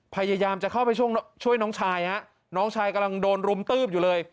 พยายามจะเข้าไปช่วยน้องชายฮะน้องชายกำลังโดนรุมตืบอยู่เลย